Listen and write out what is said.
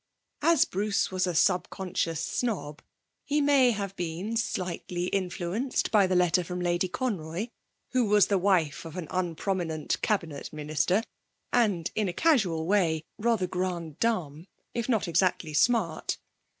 As Bruce was a subconscious snob, he may have been slightly influenced by the letter from Lady Conroy, who was the wife of an unprominent Cabinet Minister and, in a casual way, rather grande dame, if not exactly smart.